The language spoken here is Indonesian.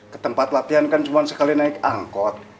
ketempat latihan kan cuma sekali naik angkot